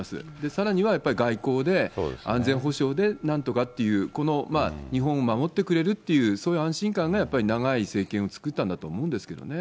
さらにはやっぱり外交で安全保障でなんとかっていう、この日本を守ってくれるっていう、そういう安心感が、やっぱり長い政権を作ったんだと思うんですけどね。